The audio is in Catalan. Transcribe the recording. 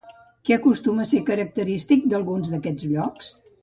Què acostuma a ser característic d'alguns d'aquests llocs?